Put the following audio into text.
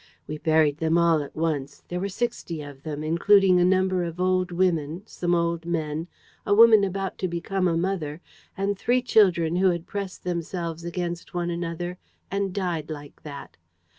We buried them all at once; there were sixty of them, including a number of old women, some old men, a woman about to become a mother, and three children who had pressed themselves against one another and who died like that.